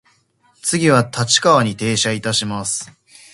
次は立川に停車いたします。